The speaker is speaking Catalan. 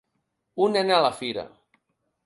Un nen a la fira.